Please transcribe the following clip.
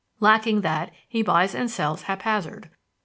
Lacking that, he buys and sells haphazard.